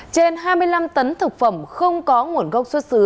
trên hai mươi năm tấn thực phẩm không có nguồn gốc xuất xứ